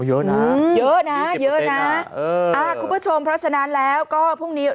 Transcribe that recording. เยอะนะเยอะนะเยอะนะเอออ่าคุณผู้ชมเพราะฉะนั้นแล้วก็พรุ่งนี้